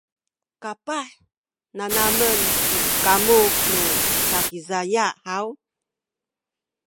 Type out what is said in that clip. kapah nanamen ku kamu nu Sakizaya haw?